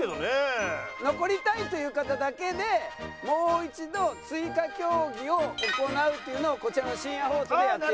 残りたいという方だけでもう一度追加競技を行うっていうのをこちらの深夜放送でやって。